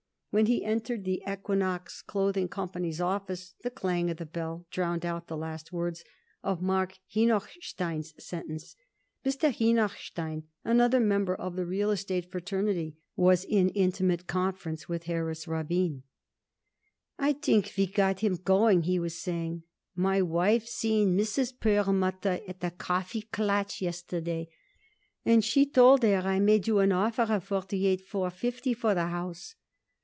When he entered the Equinox Clothing Company's office the clang of the bell drowned out the last words of Marks Henochstein's sentence. Mr. Henochstein, another member of the real estate fraternity, was in intimate conference with Harris Rabin. "I think we got him going," he was saying. "My wife seen Mrs. Perlmutter at a Kaffeeklatsch yesterday, and she told her I made you an offer of forty eight four fifty for the house.